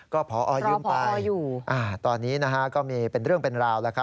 ก็พอยืมไปตอนนี้นะฮะก็มีเป็นเรื่องเป็นราวแล้วครับ